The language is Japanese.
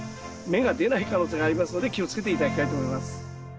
芽が出ない可能性がありますので気をつけて頂きたいと思います。